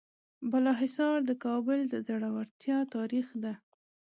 بالاحصار د کابل د زړورتیا تاریخ ده.